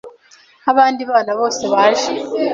nk’abandi bana bose baje,